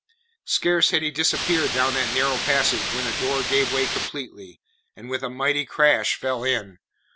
Scarce had he disappeared down that narrow passage, when the door gave way completely and with a mighty crash fell in.